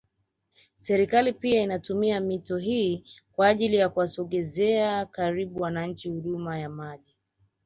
Serikali pia inaitumia mito hii kwa ajili ya kuwasogezeaa karibu wananchi huduma ya maji